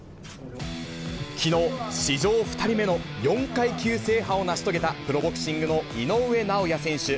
きのう、史上２人目の４階級制覇を成し遂げた、プロボクシングの井上尚弥選手。